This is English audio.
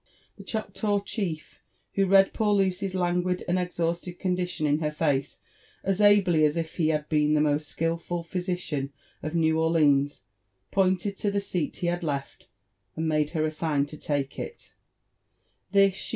The Choctaw chief, who read poor Lucy's languid and eximusted eondition in her face ad ably as if he had been the most skilful phyu ciao of New Orleans, pointed to the seat he had left, and made Iier a sign to take it : this she.